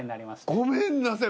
ごめんなさい。